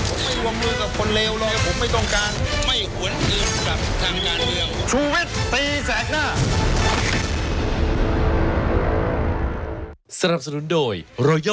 ผมไม่วงมือกับคนเลวเลย